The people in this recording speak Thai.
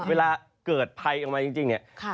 เวลาเกิดไพดิออกมาจริง